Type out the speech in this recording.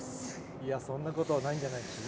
いや、そんなことはないんじゃないでしょうか。